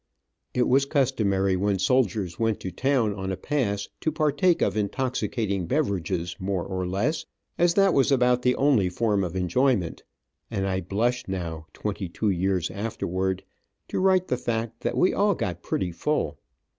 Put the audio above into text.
It was customary, when soldiers went to town on a pass, to partake of intoxicating beverages more or less, as that was about the only form of enjoyment, and I blush now, twenty two years afterward, to write the fact that we all got pretty full.